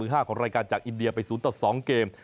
รายการมือห้าจากอินเดียไปสูตรสองเกม